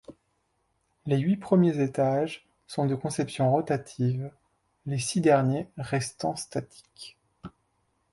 Les huit premiers étages sont de conception rotative, les six derniers restant statiques.